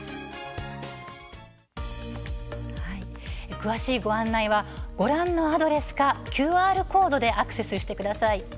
詳しいご案内はご覧のアドレスかＱＲコードでアクセスしてください。